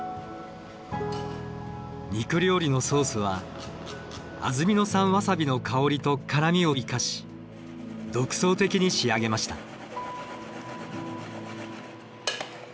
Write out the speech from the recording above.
肉料理のソースは安曇野産ワサビの香りと辛みを生かし独創的に仕上げました。